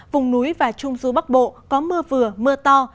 vùng núi và trung du bắc bộ có mưa vừa mưa to